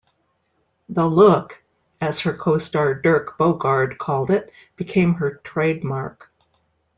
"The Look," as her co-star Dirk Bogarde called it, became her trademark.